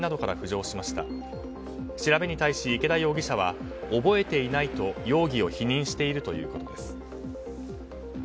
調べに対し、イケダ容疑者は覚えていないと容疑を否認しているということです。